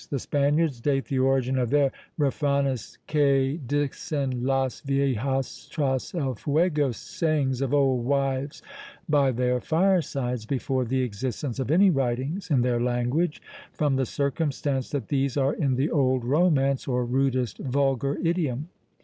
The Spaniards date the origin of their refranes que dicen las viejas tras el fuego, "sayings of old wives by their firesides," before the existence of any writings in their language, from the circumstance that these are in the old romance or rudest vulgar idiom.